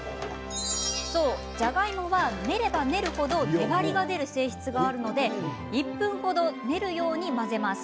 そう、じゃがいもは練れば練る程粘りが出る性質があるので１分程、練るように混ぜます。